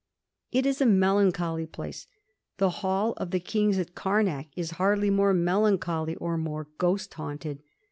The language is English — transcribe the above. It is a melancholy place. The Hall of the Kings at Eamak is hardly more melancholy or more ghost haunted.